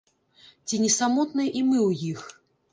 Ці не самотныя і мы ў іх?